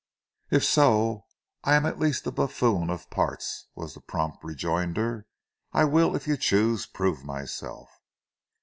"If so, I am at least a buffoon of parts," was the prompt rejoinder. "I will, if you choose, prove myself."